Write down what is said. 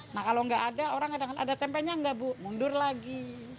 nah kalau nggak ada orang ada tempenya nggak bu mundur lagi